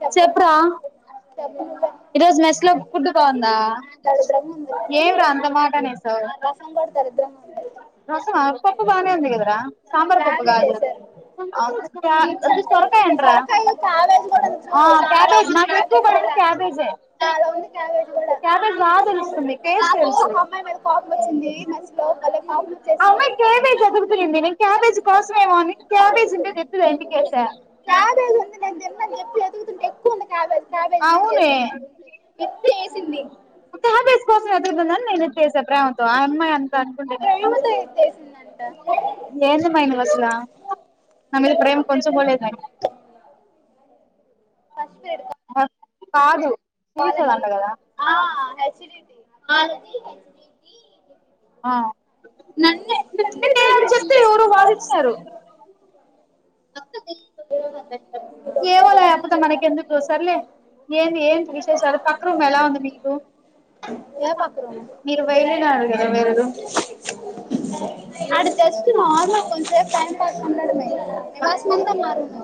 చెపో [unintelligible] ఆ రసం కూడా దరిద్రంగా ఉంది రసమా పప్పు బానే ఉంది గదరా సాంబార్ పప్పు కాదు తొరకాయ అనరా క్యాబేజ నా బడ క్యాబేజే క్యాబెజ్ బాగా తెలుస్తుంది టేస్ట్ తెలుస్తుంది అమ్మా క్యాబేజ్ ఎదుగుతుంది క్యాబేజ్ కోసమ ఏమో అని కబేజ్ ఉంటే ఎంటి కేసా ఎక్కువ ఉంది క్యాబేజ్ చాక్ పీస్ కోసం ఎతుకుతుందేమో ఎత్తేసా నేను ప్రేమతో ఆ అమ్మాయి [inaudible] ప్రేమ కొంచం కూడా లేదు పష్ేరు కాదు వాళ్ళని ఆ అసిడిటీ ఆ నన్న నన్న దే జ ఇవరు వాద కే అ మనస ఇంకేంటి విశేషాలు పక్క రూమ్ ఎలా ఉంది మీకు ఏ పక్క రూమ జస్ట్ నార్మల్ కొంచం టైం పాస్కి ఉండడమే నివాస్మంతా మారుంది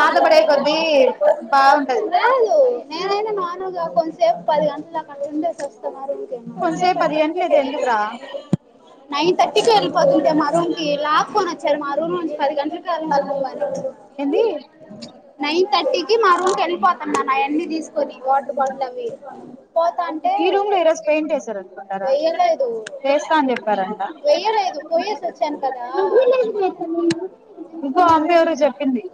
పాత పడేకొంది లేదు నేనైనా నార్మల్ గా కొంచసేపు పది గంటలదాకా ఉండేస్ వస్తా మా రూంకీ నైన్ థర్టీకి వెళ్ళిపోతుంటే మా రూమ్ కి లాకోని వచ్చారు మా రూం లో నుంచి పది గంట నైన్ థర్టీ ని వాటర్ బాటిల్ అవి పోతా అంటే ఈ రూమ్ లో ఈరోజు పెయింట్ వేసారు అనుకుంటారా వేస్తా అని చెప్పారంట షన్ కదా ఇంకో అంబెవరు చెప్పింది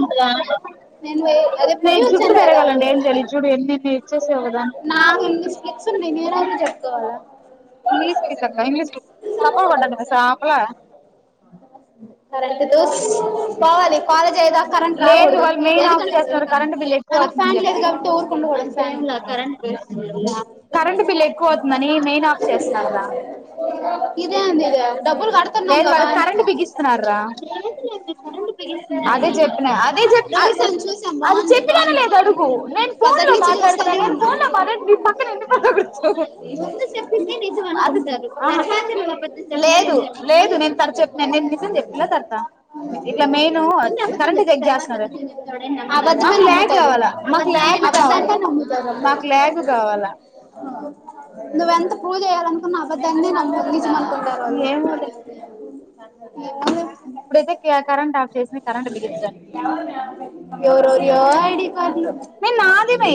ంట నేను అదే పోయి వచ్చాను కదావి నాకున్న స్ప్లి ఉన్నాయ్ నే నెవరికీ చెప్పుకోవాలా ఇంగ్లీష్ పీస్ అక్క ఇంగ్లీష్ పీ తప్పు పట్టొద్దు మె సాపలా కరెంట్ తుస్ పోవాలి అయ్యే దాకా కరెంట్ రాకూడదు ఎందుకంట మనకు ఫ్యాన్ లేదు కాబట్టి ఎవురుకుండకూడదు ఫ్యాన్ ఇదే ఎంది ఇద డబ్బులు కడుతు లేదు వాళ్ళు కరెంట్ బిగిస్తున్న రా అదే చెప్పిన అదే చెప్ప అది చెప్పినను లేదా అడుగు నేను ఫోన్ లో మా ట్లాడుతున్న నేన్ ఫోన్ లో మాట్లాడే నీ పక్కన ఇనపడతా కూర్చోవ్ అది ఆహా లేదు లేదు నేను తర్త చెప్పినాను నేను నిజం చెప్పినా తర్త ఇట్లా మెయిను కరెంట్ చెక్ చేస్తున్నారు అని మాకు ల్యాగ్ కావాలా మాకు లాగ్ కావాలా మాకు లాగ్ కావాలా నువ్వెంత ప్రూవ్ చేయ్యినుకున్నా అబదాన్నే నమ్ నిజం అనుకుంటారు వాళ్లు ఎవురేవురియో ఐడి కాడ్లు ఏ నా మీ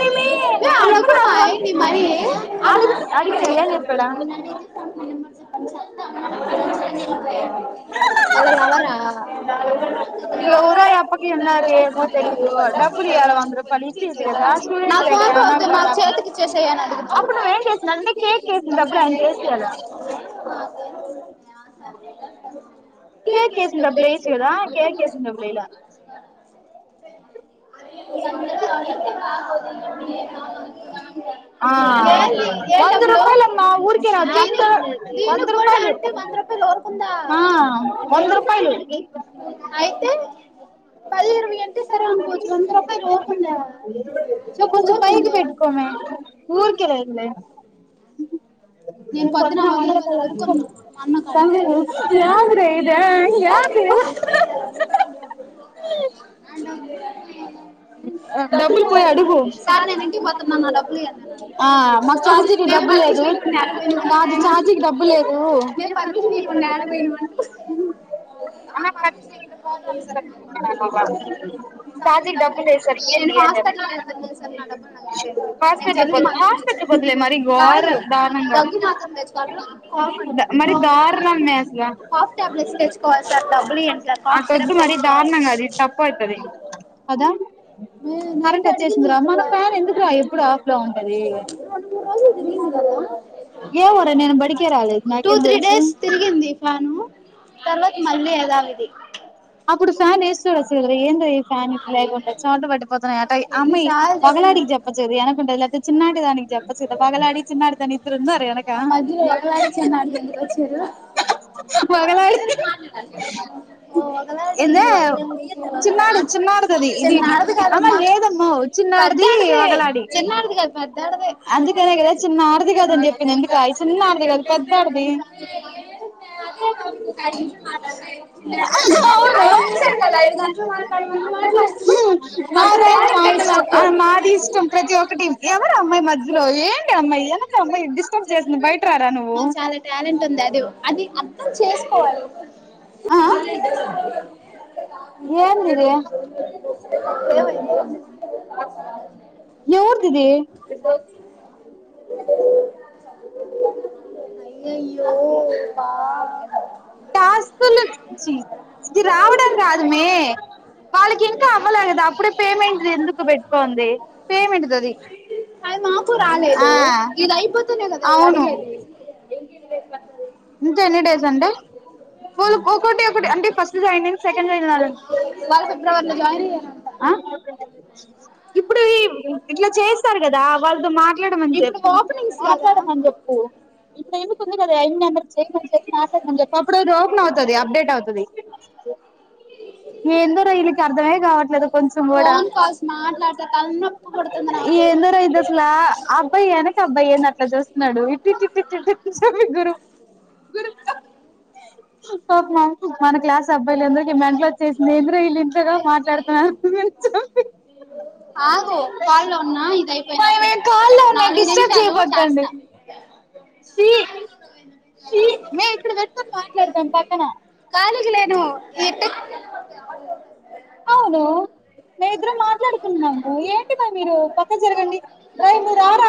ఎ మే అడుగు మై ని మని అడుగు అడుగినె ఏం చెప్పడా అలో నవరా గా నాకు ఫోన్ పే వద్దు నాకు చేతికిచ్చసేయ్ అన్ అప్పుడు నువ ఏం చేసుండాలంటే కేక్ ఏసిన డబ్బులు ఆయనకి వేసెయ్యాలా అ కేక్ కేసిన డబ్బులేయచ్చు కదా కేక్ కేసింది దీ కూడా అంటంద రపా అయితే నువ్ కొంచం పైకి పెట్టుకోమే ఊరుకె లెన్మే యాంది రా ఇదే యాంది ఇ అ అ డబ్బుల్ పోయి అడుగు ఆ మాకు చఛార్జీ డబ్బు లేదు కాజు చార్జికి డబ్బు లేదు బ్ సరేడబ్బు నేను హాస్పిటల్ వెళ్తున్నా సార్ నా డబ్బులుచ్చ నేను జ మాత్రం కాదు కగ్గు మాత్రం తెకో కాఫ్ అంట కాఫ్బ్లెట్స్ తెుకోవాల తబ్లి ఎంత కాస్ర తెని అదా కరెంట్ వచ్చేసిందిరా మన ఫ్యాన్ ఎందుకు రా ఎప్పుడు ఆఫ్ లో ఉంటది ఎవరా నేను బడికేరా అల నాకేం తెలుసు తర్వాత మళ్ళీ అదం ఇది అప్పుడు ఫ్యాన్ వేస్తు చూస ఏంటో ఈ ఫ్యాన్ ఇ లేకుండా చోట పట్టిపోతున్నాయి అ అమ్మాయి ఒక పలాడికి జప్ప చేదుకుంటతే చిన్నడి తానికి జప్ప చేదు పగలాడి చిన్నడి తా ఇంద అరనక్క బలాడి ఓ నాడది కాలమా పద్ద చిన్నడుదు క అ చి దకాగ అ ఐదు నిమిష అ కద ఐదు గంట్ర మాట్లాడమంత మాట్లా అంత ప అ మాది ఇష్టం ప్రతి ఒక్కటి ఎవరు అమ్మాయి మధ్యలో ఏంటి అమ్మాయి అనకి అమ్మాయి బయట మాకు చాలా టాలెంట్ ఉంది అది అది అర్థం చేసుకోవాలి ఆ ఏందది ఎవరిదిదీ అయ్యయ్యో బ స్ వాళ్ళకి అ పేమెంట్ంది పేమెట్ మాకు రాలేదు అవునుంత ఎన్ని డేస్ అండి వాళ్ళు ఒకటి ఒకటి అంటే ఫస్ట్ జాయినింగ్ సెకండ్ జాయిన్ వాడి ఇప్పుడు ఇట్లా చేస్తారు కదా వాళ్ళతో మాట్లాడమని చెప్ప మాట్లాడమని చెప్పు ఇప్పుడ ఎందుకు ఉంది కదా ఐదు వందలు చే చెప్పి మాట్లాడమని చెప్ప అప్పుడురోజు ఓపెన్ అవుతది అప్డేట్ అవుతుది ఎందు రైలకి అర్ధమే కావట్లేదు కొంచెం కూడ ఎన్నరు ఇద్దస్లా అబ్బా అబ్బాయ్యని అట్లా చూస్తున్నాడు ఇగురు మ్మ్ మన క్లాస్ అబ్బాయిలు అందరికి మంట్లో చేసి నంద్ర ఇల్ళ ఇంతగా మాట్లాడుతున్నాను కాలన్నా స చేయబద్దండి శ ఇ మాట్లాడతాం పక్కన కాలకి లేను ఈ అ అవును నేద్ద మాట్లాడుతున్నాను ఏ కదా మీరు పక్కరడి రైపు దార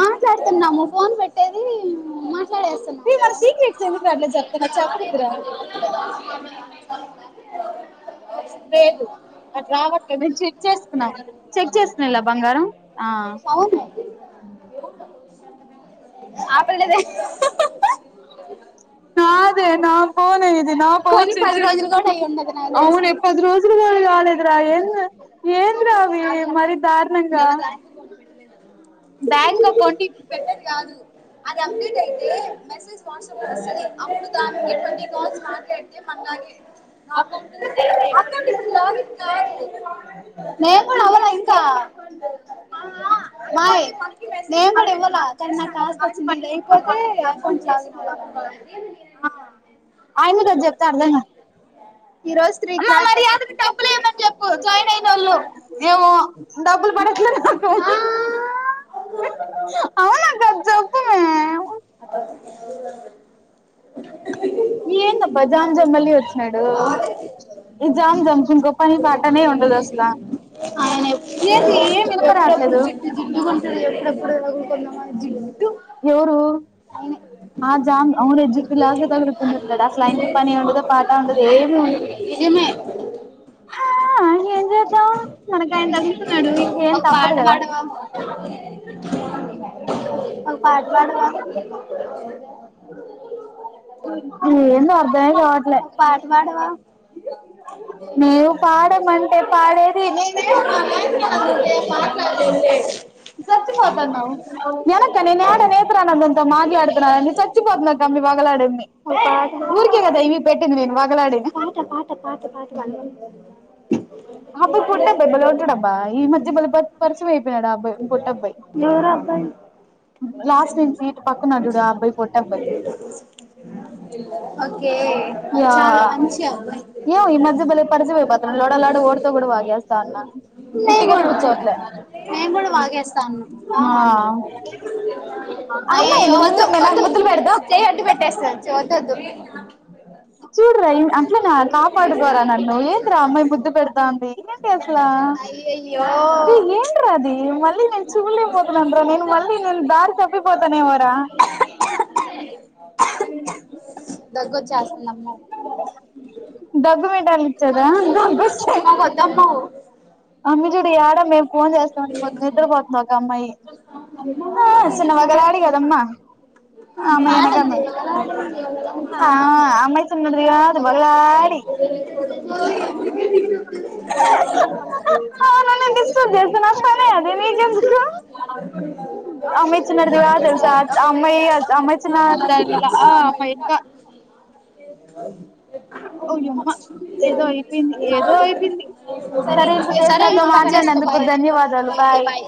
మాట్లాడుతున్నాము ఫోన్ పెట్టేది మాట్ [inaudible] [unintelligible] [unintelligible] ఆ పిల్ల దే [unintelligible] కాలేదు రా ఏ ఏందిరా అవి మరీ దారుణంగా బ్యాంక్ అకౌంట్ [inaudible] అది అప్డేట్ అయితే మెసేజ్ వాట్సాప్ వస్తుంది అప్పుడు దా కాల్స్ మాట్లాడితే మ నేమ్ కూడ అవ్వలా ఇంకా మాయి నేను కూడ ఇవ్వాల కానీ నాకు కాసి వచ్చింది లేకపోతే [unintelligible] ఆయమ్మకి ఆది చెప్తే అర్ధం క అ మరిధగ డబ్బులు ఇమ్మని చెప్పు జాయిన్ అయిన వాళ్ళు మేమ డబ్బులు పడి అవును నాకు అది చెప్పుమే [unintelligible] [unintelligible] అ ఎప్పు జి [unintelligible] ఎవరు ఆ జామ్ అవును ఎజ్జులా తగగుతుంది పని ఉండదు పాఠ ఉండదు ఏమి ఉండదు నిజమే ా ఏం చేస్తావ్ మనకి ఆయన తగులుకునాడు ఏం తప్పదు కదా ఒక పాట్ పాడవ ఒక పాట పాడవ అద [inaudible] [unintelligible] [inaudible] ఎవరు ఆ అబాయ్ ఓకే [unintelligible] మేడు మే మేము కూడ [unintelligible] ఆ [inaudible] చూడరా అట్లే నా కాపాడుకోరా నన్ను ఏంటి రా అమ్మాయి ముద్దు పెడతాంది ఏంటి అసలా అదే ఏన్రా అది మళ్ మళ్ళి చూడలేకపోతున్నారా మళ్ళీ నేను దారి చప్పిపోతనేమో ర [inaudible] [unintelligible] అమ్మి చూడు యడా మేము పోన్ చేస్త [unintelligible] [unintelligible] చిన్న వగలాడి కదమ్మా [unintelligible] [inaudible] [inaudible] [inaudible] ఇంకా సరే సరే ఇంక కట్ చేసుకో బాయ్ ఓకే బాయ్